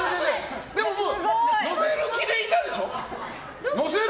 でも、もう載せる気でいたでしょ？